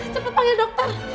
cepet panggil dokter